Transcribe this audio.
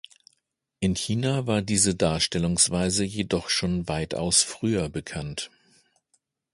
In China war diese Darstellungsweise jedoch schon weitaus früher bekannt.